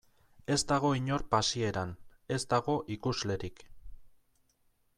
Ez dago inor pasieran, ez dago ikuslerik.